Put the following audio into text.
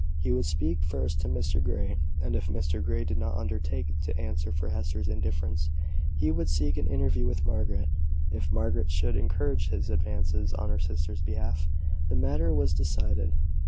He would speak first to Mr Grey; and if Mr Grey did not undertake to answer for Hester's indifference, he would seek an interview with Margaret. If Margaret should encourage his advances on her sister's behalf; the matter was decided.